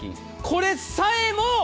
これさえも。